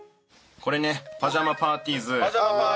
これねパジャマパーティーズ。